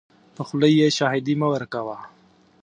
په خوله یې شاهدي مه ورکوه .